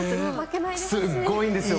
すごいんですよ。